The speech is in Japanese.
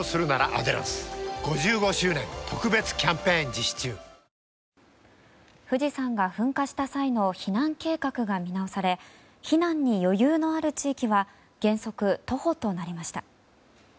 国会では、明日から原発の６０年を超える運転を富士山が噴火した際の避難計画が見直され避難に余裕のある地域は原則徒歩となりました。